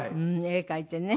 絵描いてね。